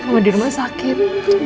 mama di rumah sakit